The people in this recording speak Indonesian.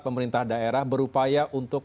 pemerintah daerah berupaya untuk